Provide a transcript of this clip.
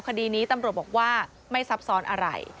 คดีนี้ตำรวจบอกว่าไม่ซับซ้อนอะไร